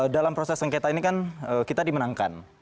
dalam proses sengketa ini kan kita dimenangkan